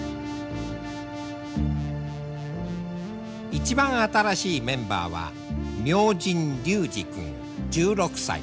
一番新しいメンバーは明神隆治君１６歳。